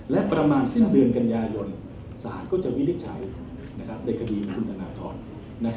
และประมาณสิ้นเดือนกันยายนศาลก็จะวินิจฉัยในคดีของคุณธนทร